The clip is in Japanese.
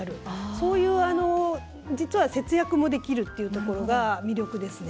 そういう実は節約もできるっていうところが魅力ですね。